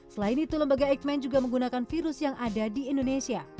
selain itu lembaga eijkman juga menggunakan virus yang ada di indonesia